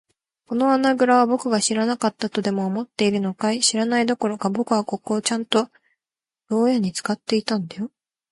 この穴ぐらをぼくが知らなかったとでも思っているのかい。知らないどころか、ぼくはここをちゃんと牢屋ろうやに使っていたんだよ。